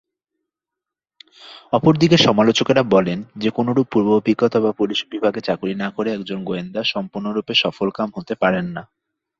অপরদিকে সমালোচকেরা বলেন যে, কোনরূপ পূর্ব অভিজ্ঞতা বা পুলিশ বিভাগে চাকুরী না করে একজন গোয়েন্দা সম্পূর্ণরূপে সফলকাম হতে পারেন না।